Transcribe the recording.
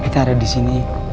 kita ada di sini